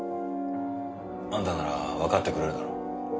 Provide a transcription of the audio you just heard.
あんたならわかってくれるだろ？